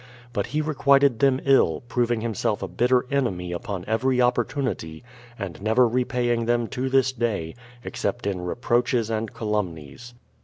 But he requited them ill, proving himself a bitter enemy upon every opportunity, and never repaying them to this day, — except in reproaches and calumnies.